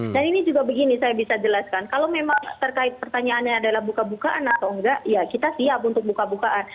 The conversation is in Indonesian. dan ini juga begini saya bisa jelaskan kalau memang terkait pertanyaannya adalah buka bukaan atau enggak ya kita siap untuk buka bukaan